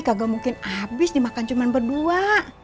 kagak mungkin habis dimakan cuma berdua